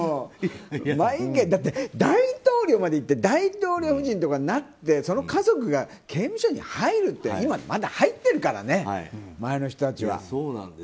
だって、大統領までいって大統領夫人とかになってその家族が刑務所に入るって今まだ入ってるからね前の人たちは。